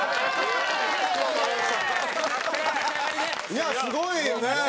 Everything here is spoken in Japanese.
いやすごいよね！